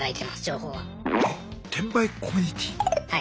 はい。